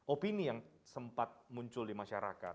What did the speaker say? opini yang sempat muncul di masyarakat